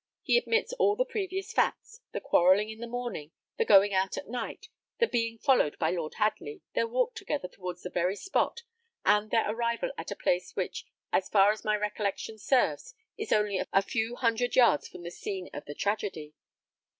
He admits all the previous facts: the quarrelling in the morning; the going out at night; the being followed by Lord Hadley; their walk together towards the very spot; and their arrival at a place which, as far as my recollection serves, is only a few hundred yards from the scene of the tragedy.